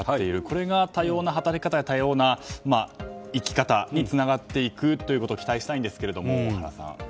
これが多様な働き方で多様な生き方につながっていくということを期待したいんですが、原さん。